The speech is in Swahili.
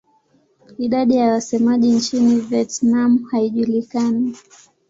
Idadi ya wasemaji nchini Vietnam haijulikani.